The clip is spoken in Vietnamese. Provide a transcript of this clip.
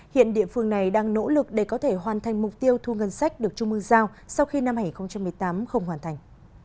hiện địa phương này đang nỗ lực để có thể hoàn thành mục tiêu thu ngân sách được trung mương giao sau khi năm hai nghìn một mươi tám không hoàn thành